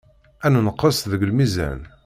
Ad nenqes deg lmizan.